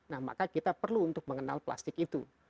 nah maka kita perlu untuk mengenal plastik itu